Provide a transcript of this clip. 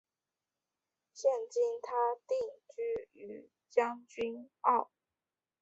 现今她定居于将军澳。